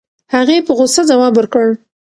هغې په غوسه ځواب ورکړ.